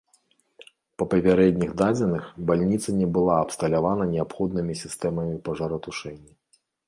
Па папярэдніх дадзеных, бальніца не была абсталявана неабходнымі сістэмамі пажаратушэння.